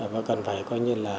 và cần phải coi như là